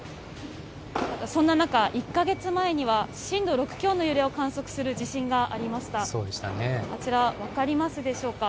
そんな中、１か月前には震度６強の揺れを観測する地震がありましそうでしたね。